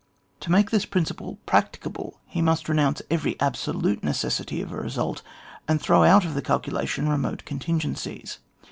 To make this principle practicable he must re nounce every absolute necessity of a result, and throw out of the calculation remote contingencies.